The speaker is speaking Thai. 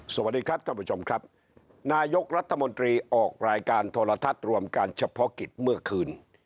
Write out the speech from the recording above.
สวัสดีครับท่านผู้ชมครับนายกรัฐมนตรีออกรายการโทรทัศน์รวมการเฉพาะกิจเมื่อคืน